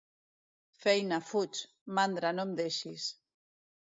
Feina, fuig; mandra, no em deixis.